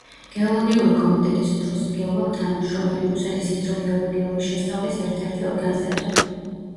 გეოლოგიური კომიტეტის უფროსი გეოლოგ თანამშრომელი, რუსეთის ჰიდროგეოლოგიური შესწავლის ერთ-ერთი ორგანიზატორი.